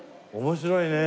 面白いね。